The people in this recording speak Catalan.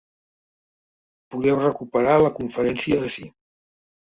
Podeu recuperar la conferència ací.